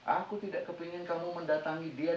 aku tidak kebetulan untuk mencari dia